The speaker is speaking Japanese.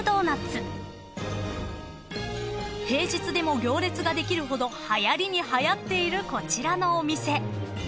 ［平日でも行列ができるほどはやりにはやっているこちらのお店］